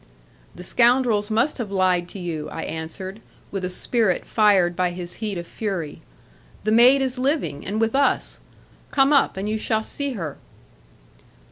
'The scoundrels must have lied to you,' I answered, with a spirit fired by his heat of fury: 'the maid is living and with us. Come up; and you shall see her.'